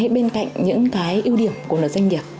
bên cạnh những cái ưu điểm của luật doanh nghiệp